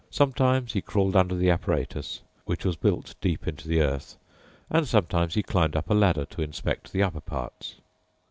Sometimes he crawled under the apparatus, which was built deep into the earth, and sometimes he climbed up a ladder to inspect the upper parts.